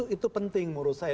itu penting menurut saya